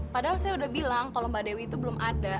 padahal saya udah bilang kalau mbak dewi itu belum ada